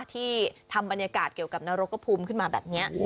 ที่ทำบรรยากาศเกี่ยวกับนรกกระภูมิขึ้นมาแบบนี้